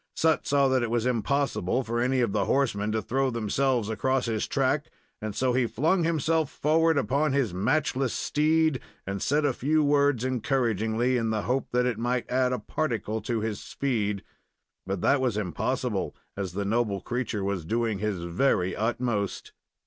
Sut saw that it was impossible for any of the horsemen to throw themselves across his track, and so he flung himself forward upon his matchless steed and said a few words encouragingly in the hope that it might add a particle to his speed; but that was impossible, as the noble creature was doing his very utmost.